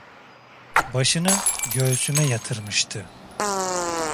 Başını göğsüme yatırmıştı.